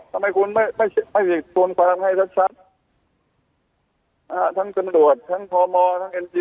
ทำไมไม่ผิดต้องฟังให้ชัด